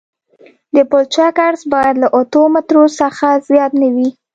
د پلچک عرض باید له اتو مترو څخه زیات نه وي